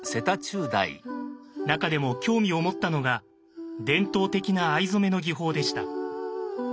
中でも興味を持ったのが伝統的な藍染めの技法でした。